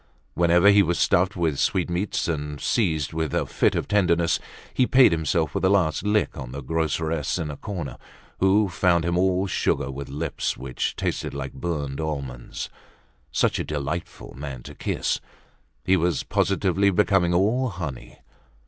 Whenever he was stuffed with sweetmeats and seized with a fit of tenderness, he paid himself with a last lick on the groceress in a corner, who found him all sugar with lips which tasted like burnt almonds. Such a delightful man to kiss! He was positively becoming all honey.